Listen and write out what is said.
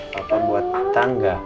papa buat tangga